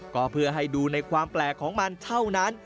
ก็เพื่อให้ดูในความแปลกของมันเท่านั้น